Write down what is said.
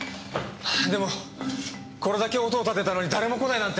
でもこれだけ音を立てたのに誰も来ないなんて。